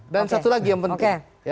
dan satu lagi yang penting